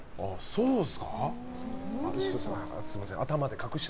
そうですか。